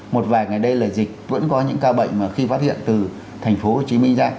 một vài ngày đây là dịch vẫn có những ca bệnh mà khi phát hiện từ thành phố hồ chí minh ra